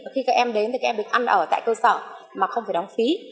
khi các em đến thì các em được ăn ở tại cơ sở mà không phải đóng phí